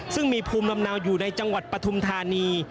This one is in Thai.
ซึ่งมีภูมิลำเนาอยู่ในจังหวัดปฐุมธานี